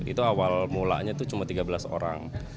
itu awal mulanya itu cuma tiga belas orang